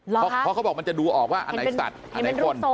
เพราะเขาบอกมันจะดูออกว่าอันไหนสัตว์อันไหนคน